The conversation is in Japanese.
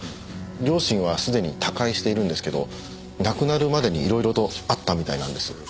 両親はすでに他界しているんですけど亡くなるまでにいろいろとあったみたいなんです。